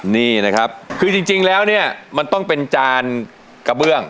นี่นะครับคือจริงแล้วเนี่ยมันต้องเป็นจานกระเบื้อง